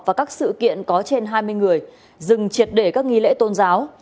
và các sự kiện có trên hai mươi người dừng triệt để các nghi lễ tôn giáo